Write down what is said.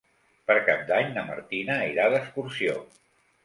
Per Cap d'Any na Martina irà d'excursió.